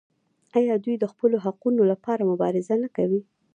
آیا دوی د خپلو حقونو لپاره مبارزه نه کوي؟